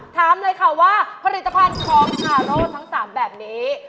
ถามเลยค่ะว่าผลิตภัณฑ์ของฮาโร่ทั้ง๓แบบนี้